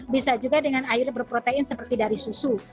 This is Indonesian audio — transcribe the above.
bisa juga dengan air berprotein seperti dari susu